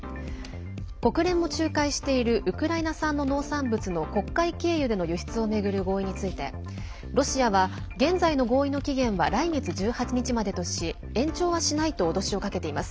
国連も仲介しているウクライナ産の農産物の黒海経由での輸出を巡る合意についてロシアは現在の合意の期限は来月１８日までとし延長はしないと脅しをかけています。